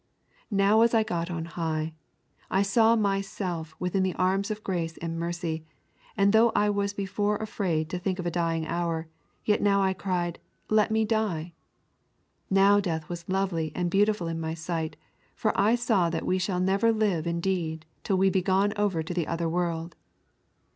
Now was I got on high: I saw my self within the arms of Grace and Mercy, and though I was before afraid to think of a dying hour, yet now I cried: Let me die. Now death was lovely and beautiful in my sight; for I saw that we shall never live indeed till we be gone to the other world.